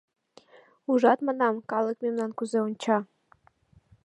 Ужат, манам, калык мемнам кузе онча...